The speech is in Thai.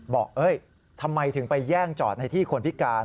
ทำไมถึงไปแย่งจอดในที่คนพิการ